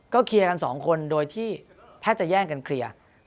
เคลียร์กันสองคนโดยที่แทบจะแย่งกันเคลียร์